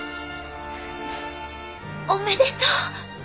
おめでとう！